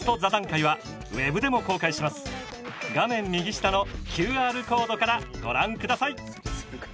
画面右下のＱＲコードからご覧下さい。